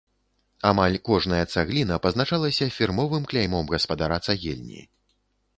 Амаль кожная цагліна пазначалася фірмовым кляймом гаспадара цагельні.